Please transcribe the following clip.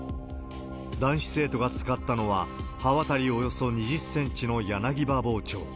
男子生徒が使ったのは、刃渡りおよそ２０センチの柳刃包丁。